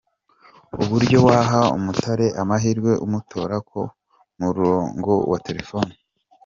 Uburyo waha Umutare amahirwe umutora ku murongo wa Telefone.